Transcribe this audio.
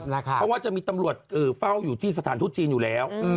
เพราะว่าจะมีตำรวจเฝ้าอยู่ที่สถานทูตจีนอยู่แล้ว